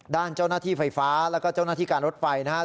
ด้านเจ้าหน้าที่ไฟฟ้าแล้วก็เจ้าหน้าที่การรถไฟนะครับ